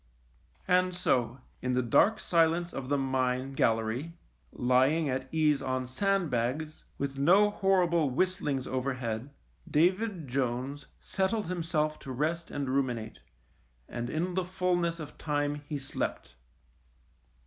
ioo THE MINE And so in the dark silence of the mine gal lery, lying at ease on sandbags, with no horrible whistlings overhead, David Jones settled himself to rest and ruminate, and in the fulness of time he slept.